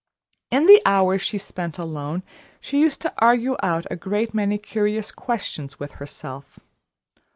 In the hours she spent alone, she used to argue out a great many curious questions with herself.